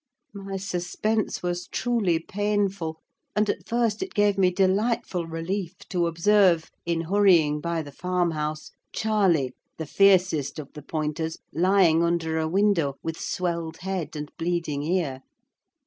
My suspense was truly painful; and, at first, it gave me delightful relief to observe, in hurrying by the farmhouse, Charlie, the fiercest of the pointers, lying under a window, with swelled head and bleeding ear.